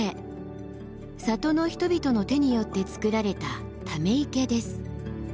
里の人々の手によって造られたため池です。